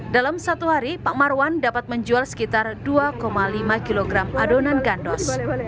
dalam satu hari pak marwan dapat menjual sekitar dua lima kg adonan gandos